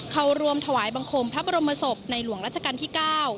เข้าร่วมถวายบังคมพระบรมศพในหลวงรัชกาลที่๙